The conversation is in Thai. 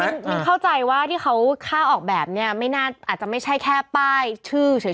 มินเข้าใจว่าที่เขาฆ่าออกแบบนี้ไม่น่าจะไม่ใช่แค่ป้ายชื่อเฉย